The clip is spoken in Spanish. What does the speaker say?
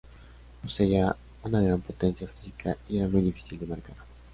Poseía una gran potencia física y era muy difícil de marcar.